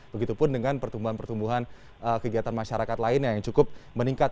begitupun dengan pertumbuhan pertumbuhan kegiatan masyarakat lainnya yang cukup meningkat